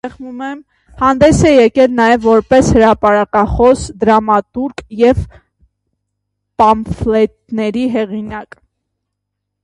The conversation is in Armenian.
Հանդես է եկել նաև որպես հրապարակախոս, դրամատուրգ և պամֆլետների հեղինակ։